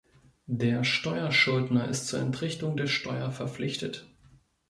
Der Steuerschuldner ist zur Entrichtung der Steuer verpflichtet.